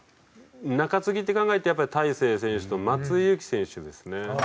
中継ぎって考えるとやっぱり大勢選手と松井裕樹選手ですね。